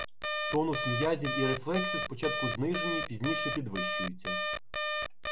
Тонус м'язів і рефлекси спочатку знижені, пізніше підвищуються.